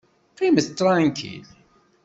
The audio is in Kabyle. Qqimet tṛankil!